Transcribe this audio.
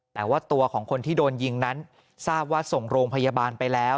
แต่ว่าตัวของคนที่โดนยิงนั้นทราบว่าส่งโรงพยาบาลไปแล้ว